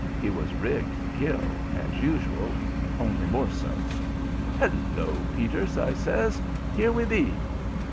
He was rigged to kill, as usual, only more so. "Hello, Peter!" I says. "Here we be."